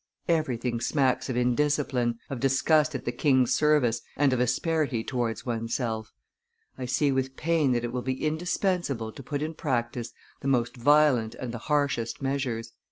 Everything smacks of indiscipline, of disgust at the king's service, and of asperity towards one's self. I see with pain that it will be indispensable to put in practice the most violent and the harshest measures."